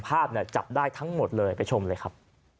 จับได้ทั้งหมดเลยไปชมเลยครับ